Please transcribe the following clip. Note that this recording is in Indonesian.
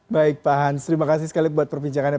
baik pak hans terima kasih sekali buat perbincangannya